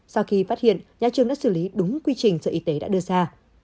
sau khi phát hiện nhà trường đã xử lý đúng quy trình do y tế đã đưa ra